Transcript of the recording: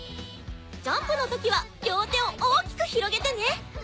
ジャンプのときは両手を大きく広げてね。